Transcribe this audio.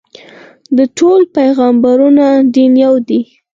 د ټولو پیغمبرانو دین یو دی.